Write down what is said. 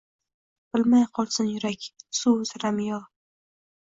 Bilmay qolsin yurak: suv uzrami, yo